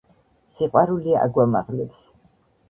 სიყვარული აგვამაღლებს